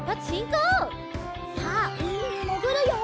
さあうみにもぐるよ！